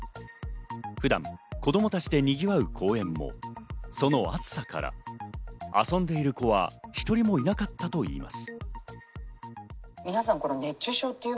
普段、子供たちでにぎわう公園も、その暑さから遊んでいる子は１人もいなかったといいます。